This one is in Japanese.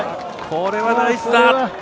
これはナイスだ！